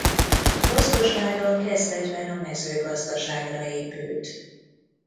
Gazdasága kezdetben a mezőgazdaságra épült.